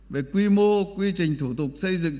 về quy mô quy trình thủ tục xây dựng